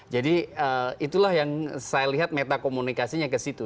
jadi itulah yang saya lihat metakomunikasinya ke situ